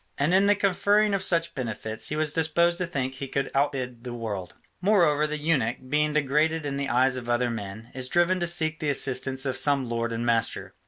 And in the conferring of such benefits he was disposed to think he could outbid the world. Moreover the eunuch, being degraded in the eyes of other men, is driven to seek the assistance of some lord and master.